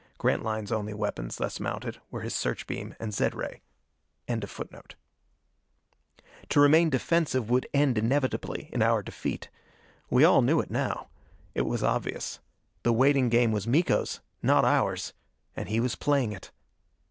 Grantline's only weapons thus mounted were his search beam and zed ray.] To remain defensive would end inevitably in our defeat. We all knew it now; it was obvious. The waiting game was Miko's not ours! And he was playing it.